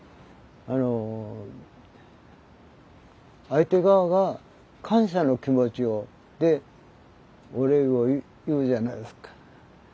あの相手側が感謝の気持ちをでお礼を言うじゃないですか。